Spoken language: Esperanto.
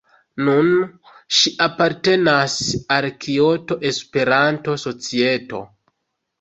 Nun ŝi apartenas al Kioto-Esperanto-Societo.